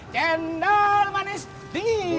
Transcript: cendol manis dingin